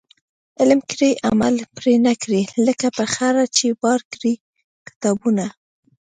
علم کړي عمل پري نه کړي ، لکه په خره چي بار کړي کتابونه